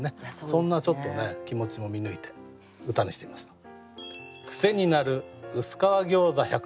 そんな気持ちも見抜いて歌にしてみました。